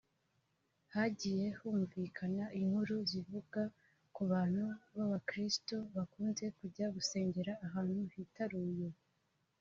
Hagiye humvikana inkuru zivuga ku bantu b’abakiristu bakunze kujya gusengera ahantu hitaruye